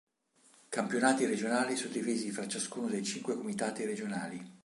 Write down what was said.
Campionati regionali suddivisi fra ciascuno dei cinque Comitati Regionali.